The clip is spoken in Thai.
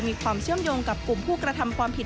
มีความเชื่อมโยงกับกลุ่มผู้กระทำความผิด